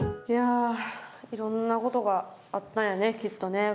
いやいろんなことがあったんやねきっとね。